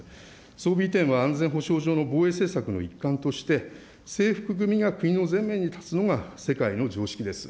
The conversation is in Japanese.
装備移転は安全保障上の防衛政策の一環として、制服組が国の前面に立つのが世界の常識です。